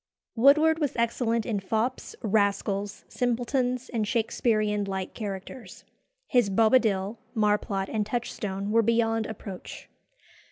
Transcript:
Woodward was excellent in fops, rascals, simpletons, and Shakesperean light characters. His Bobadil, Marplot, and Touchstone were beyond approach.